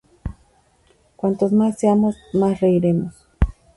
Cuantos más seamos, más reiremos